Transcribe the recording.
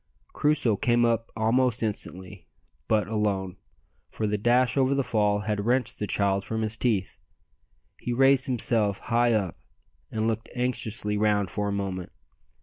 Crusoe came up almost instantly, but alone, for the dash over the fall had wrenched the child from his teeth. He raised himself high up, and looked anxiously round for a moment.